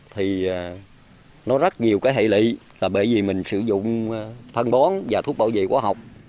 thì nó rất nhiều cái hệ lụy là bởi vì mình sử dụng phân bón và thuốc bảo vệ quá học